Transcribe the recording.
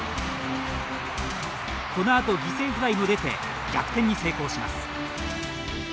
このあと犠牲フライも出て逆転に成功します。